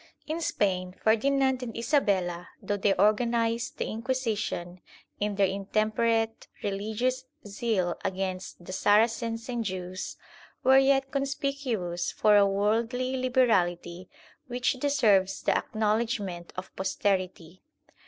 In Spain Ferdinand and Isabella, though they organized the inquisition in their intemperate religious zeal against the Saracens and Jews, were yet conspicuous for a worldly liberality which deserves the acknowledgement of posterity.